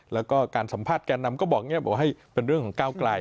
แล้วก็การสัมภาษณ์แก่นำก็บอกให้เป็นเรื่องของก้าวไกล